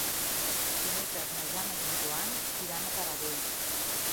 Dimecres na Jana i en Joan iran a Taradell.